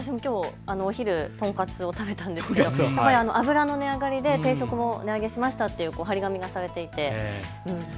お昼、豚カツを食べたんですけれども油の値上がりで定食も値上げしましたという貼り紙がされていて。